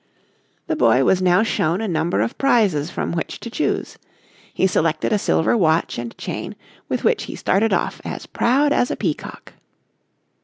The boy was now shown a number of prizes from which to choose. He selected a silver watch and chain, with which he started off as proud as a peacock.